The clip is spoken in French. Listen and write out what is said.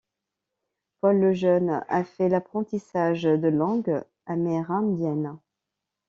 Paul Lejeune a fait l'apprentissage de langues amérindiennes.